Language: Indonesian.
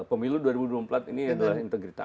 pemilu dua ribu dua puluh empat ini adalah integritas